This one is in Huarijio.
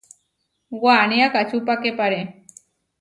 Waní akačupakepare.